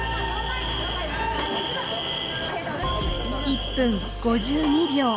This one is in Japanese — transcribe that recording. １分５２秒。